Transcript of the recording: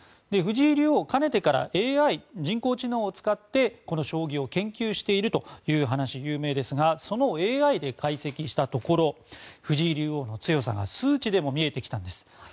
藤井竜王、かねてからＡＩ・人工知能を使って将棋を研究しているという話は有名ですがそのＡＩで解析したところ藤井竜王の強さが数値でも見えてきたんです。